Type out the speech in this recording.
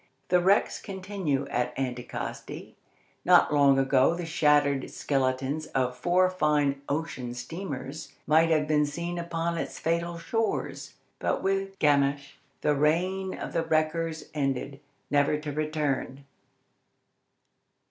The wrecks continue at Anticosti. Not long ago the shattered skeletons of four fine ocean steamers might have been seen upon its fatal shores, but with Gamache the reign of the wreckers ended, never to return.